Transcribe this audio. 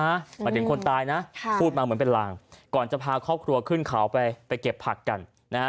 หมายถึงคนตายนะพูดมาเหมือนเป็นลางก่อนจะพาครอบครัวขึ้นเขาไปไปเก็บผักกันนะฮะ